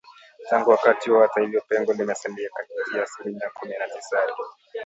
Tangu wakati huo hata hivyo pengo limesalia kati ya asilimia kumi na tisa hadi